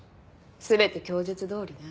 全て供述どおりね。